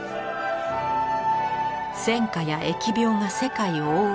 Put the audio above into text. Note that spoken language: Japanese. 戦火や疫病が世界を覆う